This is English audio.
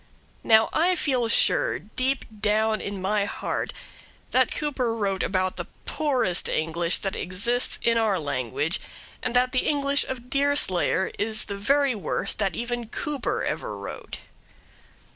Now I feel sure, deep down in my heart, that Cooper wrote about the poorest English that exists in our language, and that the English of Deerslayer is the very worst that even Cooper ever wrote.